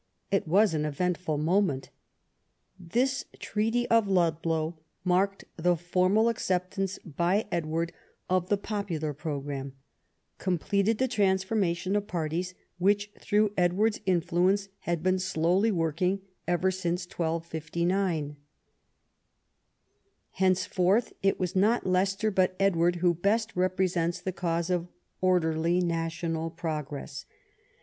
It was an eventful moment. This treaty of Ludlow, marking the formal acceptance by Edward of the popular programme, completed the transformation of parties which, through Edward's influence, had been slowly working ever since 1259. Henceforth it was not Leicester but Edward who best represents the cause of orderly national progress.